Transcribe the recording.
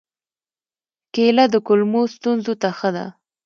کېله د کولمو ستونزو ته ښه ده.